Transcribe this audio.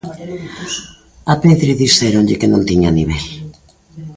A Pedri dixéronlle que non tiña nivel.